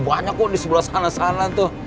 banyak kok di sebelah sana sana tuh